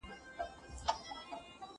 زه پرون لوبه وکړه!